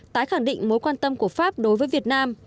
tái khẳng định mối quan tâm của pháp đối với việt nam